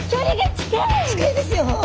近いですよ。